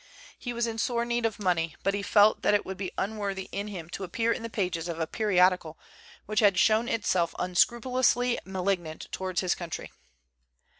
He was in sore need of money, but he felt that it would be unworthy in him to appear in the pages of a periodical which had shown itself unscrupulously malignant toward his country.